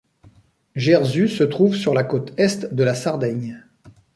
Jerzu se trouve sur la côte est de la Sardaigne.